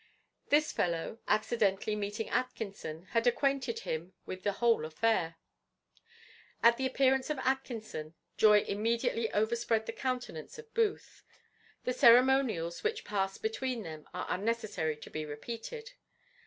This fellow, accidentally meeting Atkinson, had acquainted him with the whole affair. At the appearance of Atkinson, joy immediately overspread the countenance of Booth. The ceremonials which past between them are unnecessary to be repeated.